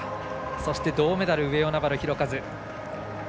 そして、銅メダル上与那原寛和。